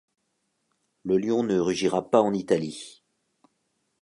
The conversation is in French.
Le Lion ne rugira pas en Italie.